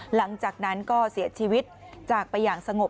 หลังจากนั้นก็เสียชีวิตจากไปอย่างสงบ